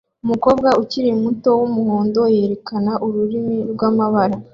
Umukobwa ukiri muto wumuhondo yerekana ururimi rwamabara